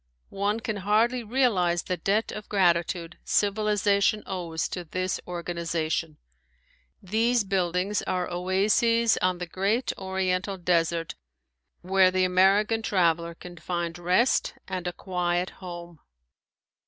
One can hardly realize the debt of gratitude civilization owes to this organization. These buildings are oases on the great oriental desert where the American traveler can find rest and a quiet home.